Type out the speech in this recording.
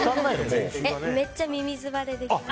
めっちゃ、みみず腫れできます。